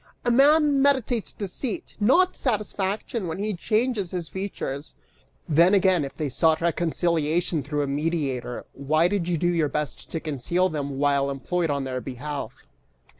A man meditates deceit, not satisfaction, when he changes his features! Then again, if they sought reconciliation through a mediator, why did you do your best to conceal them while employed in their behalf?